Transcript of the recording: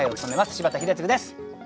柴田英嗣です。